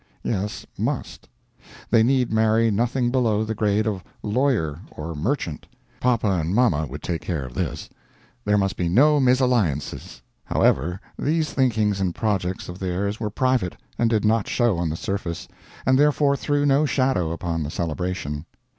Yes, must. They need marry nothing below the grade of lawyer or merchant; poppa and momma would take care of this; there must be no mesalliances. However, these thinkings and projects of theirs were private, and did not show on the surface, and therefore threw no shadow upon the celebration.